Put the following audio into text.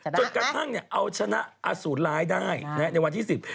จนกระทั่งเอาชนะอสูรร้ายได้ในวันที่สิบ